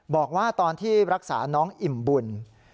บอกว่าตอนที่รักษาน้องอิ่มบุญ